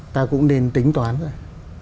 ta cũng nên tính toán rồi